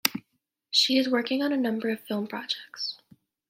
She is working on a number of film projects.